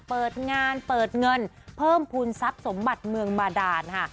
เปิดงานเปิดเงินเพิ่มภูมิทรัพย์สมบัติเมืองบาดานค่ะ